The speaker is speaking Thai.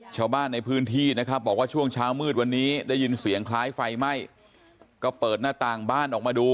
ชาวบ้านในพื้นที่นะครับบอกว่าช่วงเช้ามืดวันนี้ได้ยินเสียงคล้ายไฟไหม้ก็เปิดหน้าต่างบ้านออกมาดู